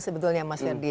sebetulnya mas herdy